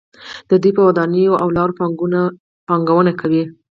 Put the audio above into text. دوی په ودانیو او لارو پانګونه کوي.